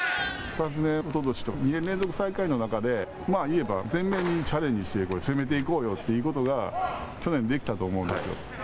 昨年、おととしと２年連続、最下位の中でいえば全面にチャレンジしていこう攻めていこうよということが去年、できたと思うんですよ。